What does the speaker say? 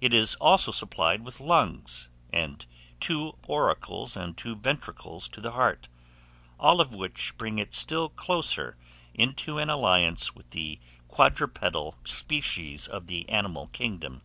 It is also supplied with lungs, and two auricles and two ventricles to the heart; all of which bring it still closer into an alliance with the quadrupedal species of the animal kingdom.